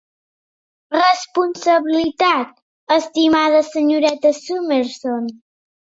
Responsabilitat, estimada senyoreta Summerson?